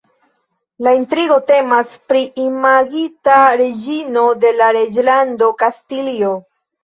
La intrigo temas pri imagita reĝino de la Reĝlando Kastilio.